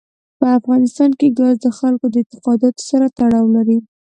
په افغانستان کې ګاز د خلکو د اعتقاداتو سره تړاو لري.